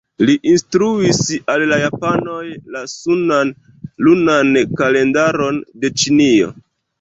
Li instruis al la japanoj la sunan-lunan kalendaron de Ĉinio.